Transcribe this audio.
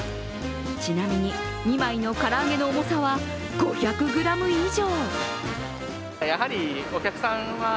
ちなみに、２枚の唐揚げの重さは５０ｇ以上。